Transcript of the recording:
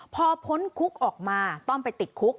พอพ้นคุกออกมาต้องไปติดคุก